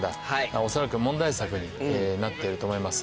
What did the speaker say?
おそらく問題作になっていると思います